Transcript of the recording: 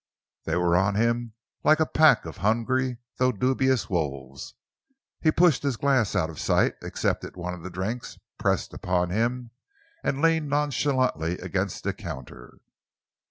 They were on him like a pack of hungry though dubious wolves. He pushed his glass out of sight, accepted one of the drinks pressed upon him, and leaned nonchalantly against the counter.